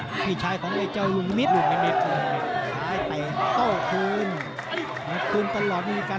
น่ะพี่ชายของไอ้เจ้าลุงมิตร